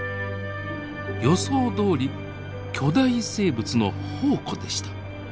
予想どおり巨大生物の宝庫でした。